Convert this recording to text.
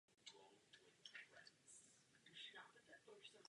Je poslán do lesa.